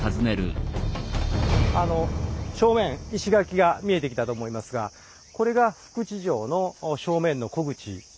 あの正面石垣が見えてきたと思いますがこれが福地城の正面の虎口になります。